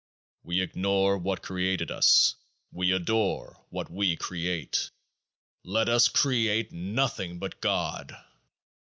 We ignore what created us ; we adore what we create. Let us create nothing but GOD